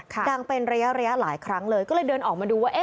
ดังเป็นระยะระยะหลายครั้งเลยก็เลยเดินออกมาดูว่า